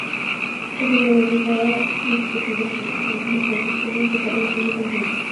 Recientemente se ha discutido ampliamente en el contexto del desarrollo económico en China.